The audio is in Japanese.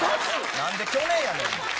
何で去年やねん。